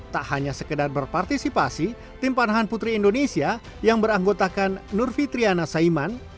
tak hanya sekedar berpartisipasi tim panahan putri indonesia yang beranggotakan nur fitriana saiman